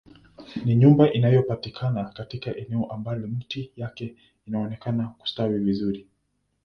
Ni nyumba inayopatikana katika eneo ambalo miti yake inaonekana kustawi vizuri